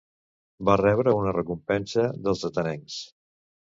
Va rebre una recompensa dels atenencs.